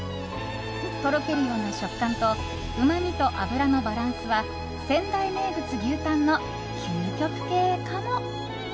とろけるような食感とうまみと脂のバランスは仙台名物・牛タンの究極形かも？